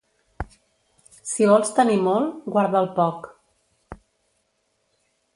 Si vols tenir molt, guarda el poc.